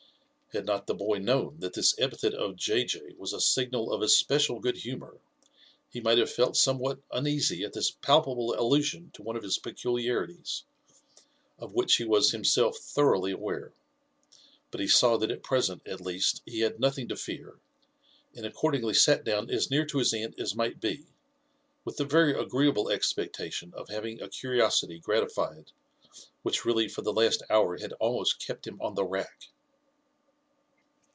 Had not the boy known that this epithet of J. J. was a signal of especial good humour, he might have felt somewhat uneasy at this pal pable allusion to one of his peculiarities, of which he was himself thoroughly aware; but he saw that at present at least he had nothing to fear, and accordingly sat down as near to his aunt as might be, with JONATHAN JEFFERSON WHITLAW. 21 .the retj agreeable expectation of having a curiosity gratified which really for the last hour had almost kept him on the rack.